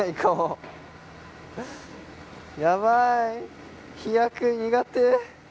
やばい飛躍苦手。